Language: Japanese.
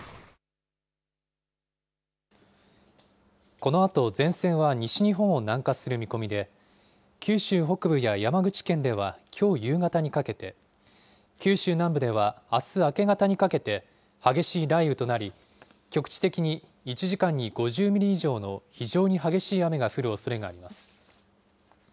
このあと前線は西日本を南下する見込みで、九州北部や山口県ではきょう夕方にかけて、九州南部ではあす明け方にかけて、激しい雷雨となり、局地的に１時間に５０ミリ以上の非常に激しい雨が降るおそれがあります。